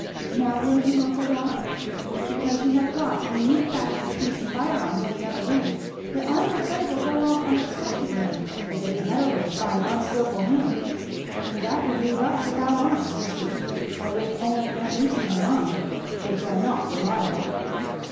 Now will you, uncle Rolf? Because we have got a new fashioned piece of firearms in the other room that I am afraid will go off unexpectedly if it is meddled with by an unskilful hand; and that would leave us without arms, you see, or with only aunt Lucy's and mine, which are not reliable."